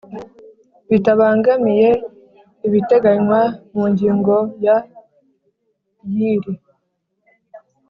Bitabangamiye ibiteganywa mu ngingo ya y iri